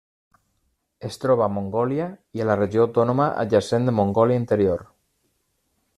Es troba a Mongòlia i a la regió autònoma adjacent de Mongòlia Interior.